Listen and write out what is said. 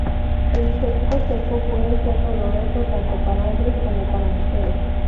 El sexo seco puede ser doloroso tanto para hombres como para mujeres.